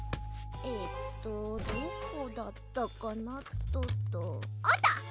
えっとどこだったかなっとあった！